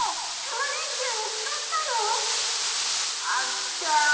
タマ電Ｑ見つかったの⁉あちゃ